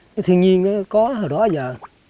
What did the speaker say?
cái thiên nhiên đó có hồi đó giờ